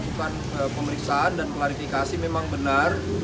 setelah kita lakukan pemeriksaan dan klarifikasi memang benar